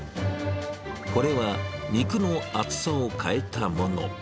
これは肉の厚さを変えたもの。